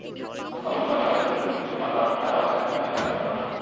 গতকাল বুধবার সকালে সিলেটের দক্ষিণ সুরমার লালাবাজারের সাতমাইল এলাকায় ঘটনাটি ঘটে।